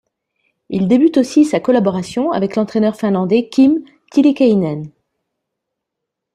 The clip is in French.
Il débute aussi sa collaboration avec l'entraîneur finlandais Kim Tiilikainen.